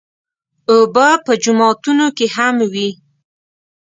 اوبه په جوماتونو کې هم وي.